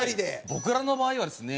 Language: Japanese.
僕らの場合はですね